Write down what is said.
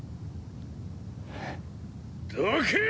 どけ！